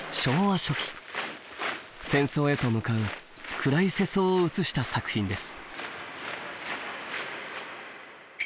戦争へと向かう暗い世相を映した作品です。